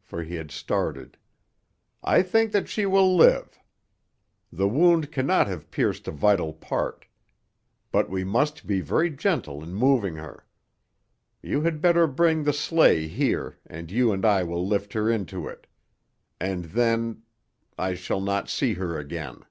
for he had started. "I think that she will live. The wound cannot have pierced a vital part. But we must be very gentle in moving her. You had better bring the sleigh here, and you and I will lift her into it. And then I shall not see her again."